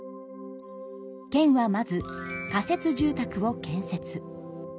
県はまず仮設住宅を建設。